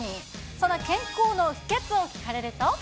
その健康の秘けつを聞かれると。